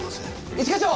一課長！